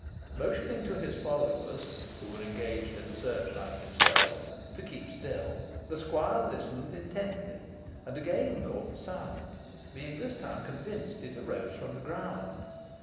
Motioning to his followers, who were engaged in the search like himself, to keep still, the squire listened intently, and again caught the sound, being this time convinced it arose from the ground.